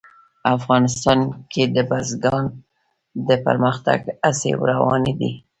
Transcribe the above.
افغانستان کې د بزګان د پرمختګ هڅې روانې دي.